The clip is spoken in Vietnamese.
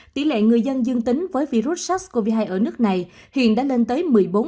tỷ lệ người dân dương tính với virus sars cov hai ở nước này hiện đã lên tới một mươi bốn